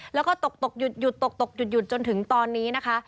แล้วก็ตกหยุดจนถึงตอนนี้นะคะ